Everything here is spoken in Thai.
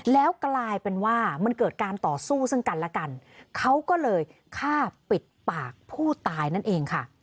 แล้วกลายเป็นว่ามันเกิดการต่อสู้ซึ่งกันและกันเขาก็เลยฆ่าปิดปากผู้ตายนั่นเองค่ะ